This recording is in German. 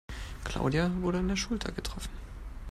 Claudia wurde an der Schulter getroffen.